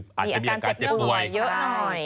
มีอาการเจ็บป่วยเยอะหน่อย